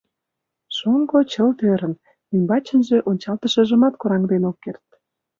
Шоҥго чылт ӧрын, ӱмбачынже ончалтышыжымат кораҥден ок керт.